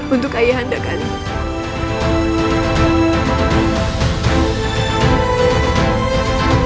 untuk ayah anda kalian